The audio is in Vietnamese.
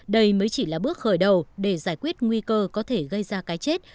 đây mới chỉ là bước khởi đầu để giải quyết nguy cơ có thể gây ra cái chết